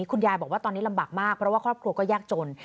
คุณยายบอกว่าตอนนี้ลำบากมากเพราะว่าครอบครัวก็ยากจน